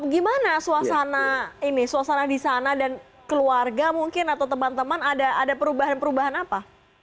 gimana suasana di sana dan keluarga mungkin atau teman teman ada perubahan perubahan apa